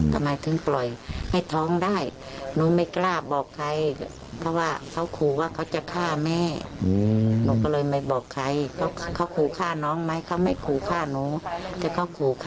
แต่เขาก็ครูฆ่าแม่รักแม่จักร